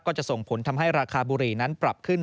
จะส่งผลทำให้ราคาบุหรี่นั้นปรับขึ้น